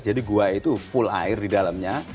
jadi gua itu full air di dalamnya